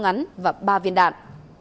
ngắn và ba viên đạn